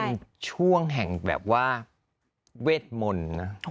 เป็นช่วงแห่งแบบว่าเวทมนต์นะ